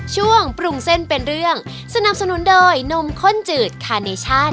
ช่วงปรุงเส้นเป็นเรื่องสนับสนุนโดยนมข้นจืดคาเนชั่น